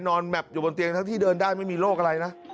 นอนแบบอยู่บนเตียงที่เดินได้ไม่มีโรคอะไรนะ